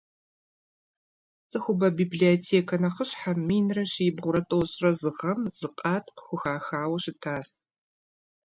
Цӏыхубэ библиотекэ нэхъыщхьэм минрэ щибгъурэ тӏощӏрэ зы гъэм зы къат хухахауэ щытащ.